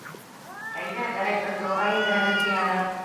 Әйҙә, берәй ПТУ-ға индерәбеҙ тиһәләр?!